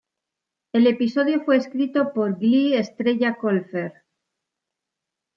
El episodio fue escrito por Glee estrella Colfer.